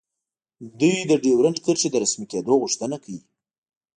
دوی د ډیورنډ کرښې د رسمي کیدو غوښتنه کوي